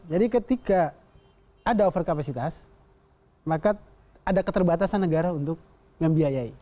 jadi ketika ada overkapasitas maka ada keterbatasan negara untuk membiayai